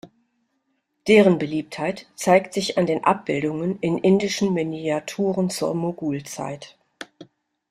Deren Beliebtheit zeigt sich an den Abbildungen in indischen Miniaturen zur Mogulzeit.